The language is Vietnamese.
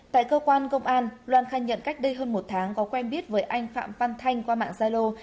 tại cơ quan công an loan khai nhận cách đây hơn một tháng có quen biết với anh phạm phan thanh qua mạng zylo